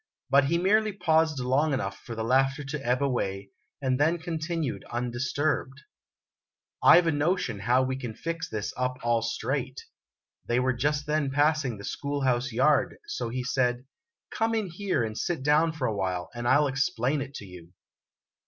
But he merely paused long enough for the laughter to ebb away, and then continued undisturbed :" I Ve a notion how we can fix this up all straight." They were just then passing the school house yard, so he said: " Come in here and sit down for a while, and I '11 explain it to you."